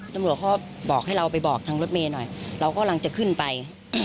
ตำรวจเขาบอกให้เราไปบอกทางรถเมย์หน่อยเรากำลังจะขึ้นไป